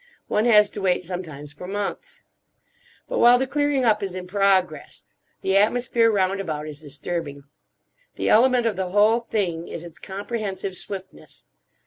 One has to wait sometimes for months. But while the clearing up is in progress the atmosphere round about is disturbing. The element of the whole thing is its comprehensive swiftness.